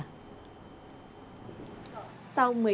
cảm ơn các bạn đã theo dõi